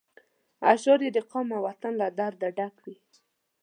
اشعار یې د قام او وطن له درده ډک وي.